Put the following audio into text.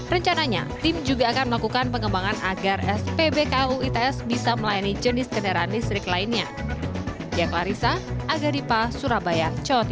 rencananya tim juga akan melakukan pengembangan agar spbku its bisa melayani jenis kendaraan listrik lainnya